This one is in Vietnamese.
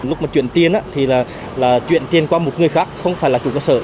lúc mà chuyển tiền thì là chuyển tiền qua một người khác không phải là chủ cơ sở